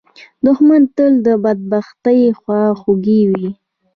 دښمن تل د بدبختۍ خواخوږی وي